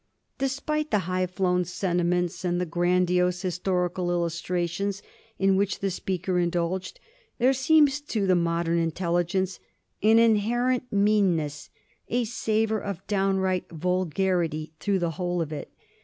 Despite the high flown sentiments and the grandiose historical il lustrations in which the speaker indulged, there seems to the modem intelligence an inherent meanness, a savor of downright vulgarity, through the whole of it.